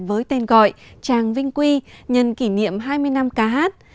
với tên gọi tràng vinh quy nhân kỷ niệm hai mươi năm ca hát